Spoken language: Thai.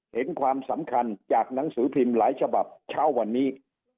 เห็นความสำคัญจากหนังสือพิมพ์หลายฉบับเช้าวันนี้